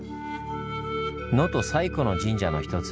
能登最古の神社の一つ